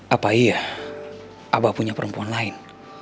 apa iya abah punya perempuan lain